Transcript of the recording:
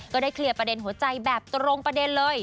ก็ได้เคลียร์ประเด็นหัวใจแบบตรงประเด็นเลย